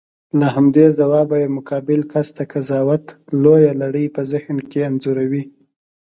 له همدې ځوابه یې مقابل کس د قضاوت لویه لړۍ په ذهن کې انځوروي.